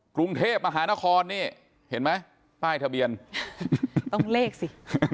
กรุงเทพมหานครนี่เห็นไหมป้ายทะเบียนต้องเลขสิ